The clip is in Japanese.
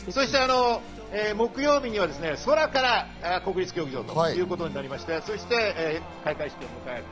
木曜日には空から国立競技場ということになりまして、開会式を迎える。